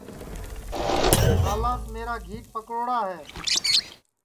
کالاس میرا گھیٹ پکڑوڑا ہے